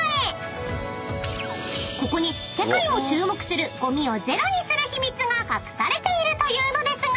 ［ここに世界も注目するゴミをゼロにする秘密が隠されているというのですが］